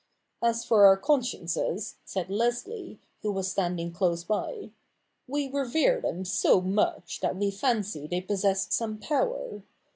' As for our consciences,' said Leslie, who was standing close by, ' we revere them so much that we fancy they possess some power.